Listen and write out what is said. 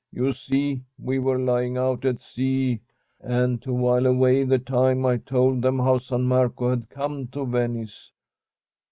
You see, we were lying out at sea, and to while away the time I told them how San Marco had come to Venice.